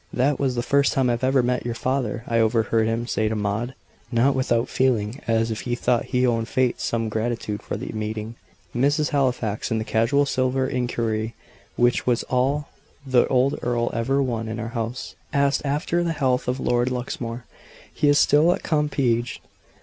"That was the first time I ever met your father," I overheard him say to Maud not without feeling; as if he thought he owed fate some gratitude for the meeting. Mrs. Halifax, in the casual civil inquiry which was all the old earl ever won in our house, asked after the health of Lord Luxmore. "He is still at Compiegne.